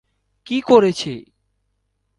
- কি করেছে?